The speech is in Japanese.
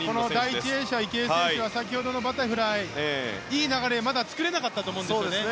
第１泳者の池江選手は先ほどのバタフライでいい流れを作れなかったと思うんですね。